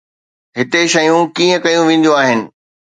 هتي شيون ڪيئن ڪيون وينديون آهن؟